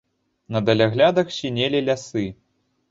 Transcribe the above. На даляглядах сінелі лясы.